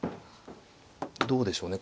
どうでしょうね。